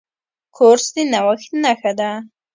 کورس د نوښت نښه ده.